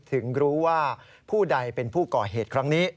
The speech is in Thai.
ถึงรู้ว่าผู้ใดเป็นผู้ก่อเหตุครั้งนี้